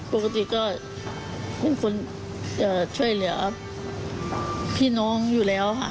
ปกติก็เป็นคนจะช่วยเหลือพี่น้องอยู่แล้วค่ะ